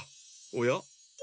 おや？